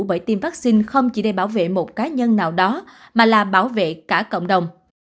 bởi tiêm vaccine không chỉ để bảo vệ một cá nhân nào đó mà là bảo vệ cả cộng đồng